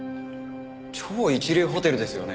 超一流ホテルですよね。